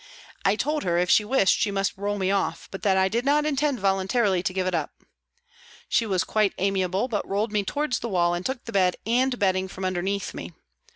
I told her if she wished she must roll me off, but that I did not intend voluntarily to give it up. She was quite amiable, but rolled me towards the wall and took the bed and bedding from underneath me.